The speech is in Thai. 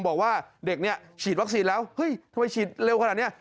บอกว่าเด็กเนี่ยฉีดวัคซีนแล้วเฮ้ยทำไมฉีดเร็วขนาดนี้